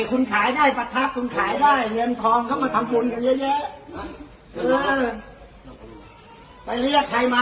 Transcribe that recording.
คุณขายได้ประทับคุณขายได้เงินทองเขามาทำบุญกันเยอะ